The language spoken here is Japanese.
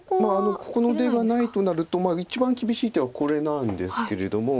ここの出がないとなると一番厳しい手はこれなんですけれども。